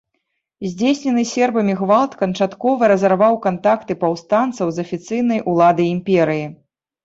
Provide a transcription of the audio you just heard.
Здзейснены сербамі гвалт канчаткова разарваў кантакты паўстанцаў з афіцыйнай уладай імперыі.